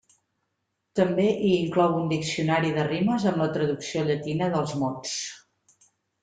També hi inclou un diccionari de rimes amb la traducció llatina dels mots.